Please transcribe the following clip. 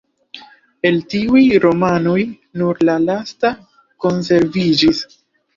El tiuj romanoj nur la lasta konserviĝis.